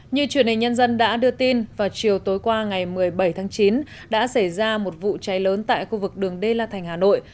như truyền hình nhân dân đã đưa tin vào chiều tối qua ngày một mươi bảy tháng chín đã xảy ra một vụ cháy lớn tại khu vực đường đê la thành hà nội